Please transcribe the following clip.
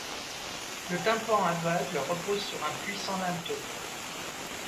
Le tympan aveugle repose sur un puissant linteau.